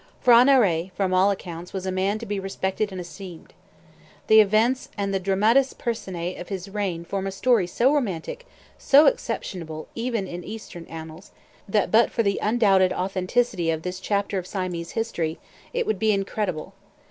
P'hra Narai, from all accounts, was a man to be respected and esteemed. The events and the dramatis personae of his reign form a story so romantic, so exceptional even in Eastern annals, that, but for the undoubted authenticity of this chapter of Siamese history, it would be incredible.